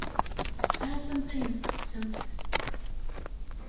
Ttɛassamt ayen tettettemt.